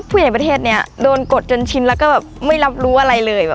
ประเทศนี้โดนกดจนชินแล้วก็แบบไม่รับรู้อะไรเลย